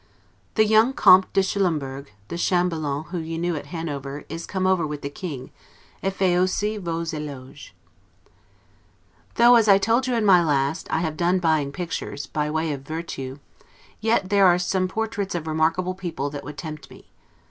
The young Comte de Schullemburg, the Chambellan whom you knew at Hanover, is come over with the King, 'et fait aussi vos eloges'. Though, as I told you in my last, I have done buying pictures, by way of 'virtu', yet there are some portraits of remarkable people that would tempt me.